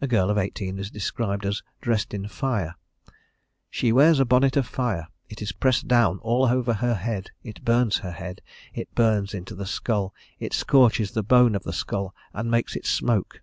A girl of eighteen is described as dressed in fire; "she wears a bonnet of fire. It is pressed down all over her head; it burns her head; it burns into the skull; it scorches the bone of the skull and makes it smoke."